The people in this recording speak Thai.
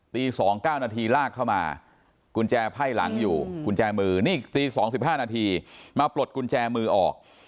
๒๙นาทีลากเข้ามากุญแจไพ่หลังอยู่กุญแจมือนี่ตี๒๕นาทีมาปลดกุญแจมือออก